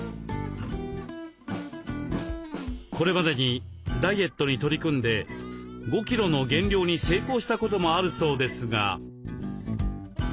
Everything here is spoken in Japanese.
これまでにダイエットに取り組んで５キロの減量に成功したこともあるそうですが。